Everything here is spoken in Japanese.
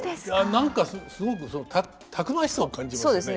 何かすごくたくましさを感じますね。